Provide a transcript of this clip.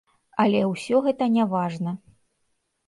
Але ўсе гэта не важна.